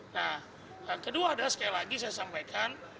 nah kedua adalah sekali lagi saya sampaikan